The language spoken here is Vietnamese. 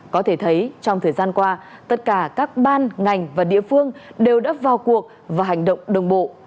có thể thấy trong thời gian qua tất cả các ban ngành và địa phương đều đã vào cuộc và hành động đồng bộ